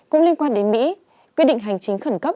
cũng liên quan đến mỹ quyết định hành chính khẩn cấp